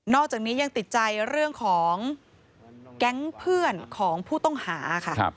อกจากนี้ยังติดใจเรื่องของแก๊งเพื่อนของผู้ต้องหาค่ะ